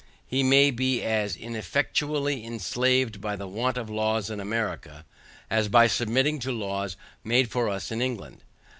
We may be as effectually enslaved by the want of laws in America, as by submitting to laws made for us in England.